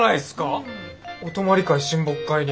お泊まり会親睦会で。